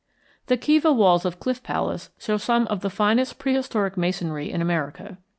The kiva walls of Cliff Palace show some of the finest prehistoric masonry in America.